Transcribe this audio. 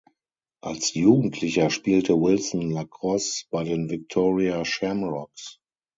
Als Jugendlicher spielte Wilson Lacrosse bei den Victoria Shamrocks.